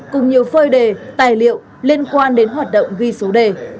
cùng nhiều phơi đề tài liệu liên quan đến hoạt động ghi số đề